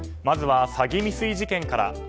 まずは詐欺未遂事件から。